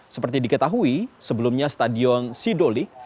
seperti diketahui sebelumnya stadion sidolik